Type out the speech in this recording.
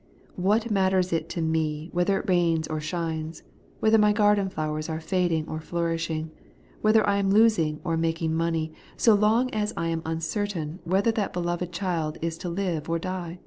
What jnatters it to me whether it rains or shines, whether my garden flowers are fading or flourishing, whether I am losing or making money, so long as I am im certain whether that beloved child is to live or die